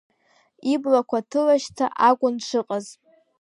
Иблақәа ҭылашьца акәын дшыҟаз.